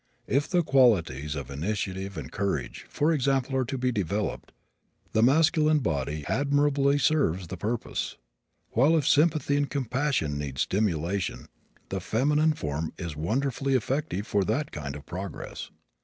If the qualities of initiative and courage, for example, are to be developed, the masculine body admirably serves the purpose, while if sympathy and compassion need stimulation the feminine form is wonderfully effective for that kind of progress.